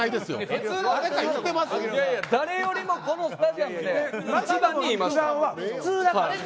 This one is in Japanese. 誰よりも、このスタジアムですいません。